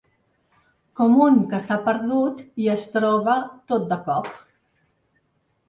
Com un que s’ha perdut i es troba tot de cop.